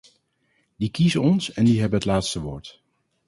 Die kiezen ons en die hebben het laatste woord.